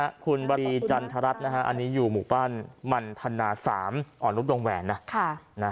ขอบคุณบราลีจันทรัฐนะฮะอันนี้อยู่หมู่บ้านมันธนา๓อ่อนรุปลงแหวนนะฮะ